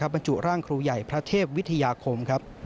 มจุร่างครูใหญ่พระเทพวิทยาคม